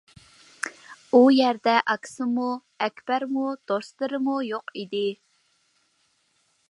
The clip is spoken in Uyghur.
ئۇ يەردە ئاكىسىمۇ، ئەكبەرمۇ دوستلىرىمۇ يوق ئىدى.